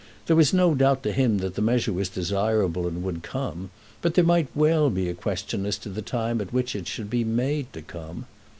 There was no doubt to him but that the measure was desirable and would come, but there might well be a question as to the time at which it should be made to come.